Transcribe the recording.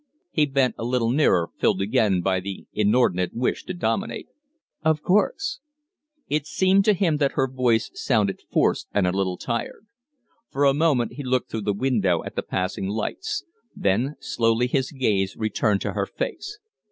He bent a little nearer, filled again by the inordinate wish to dominate. "Of course." It seemed to him that her voice sounded forced and a little tired. For a moment he looked through the window at the passing lights; then slowly his gaze returned to her face.